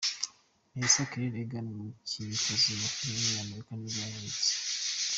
Melissa Claire Egan, umukinnyikazi wa film w’umunyamerika nibwo yavutse.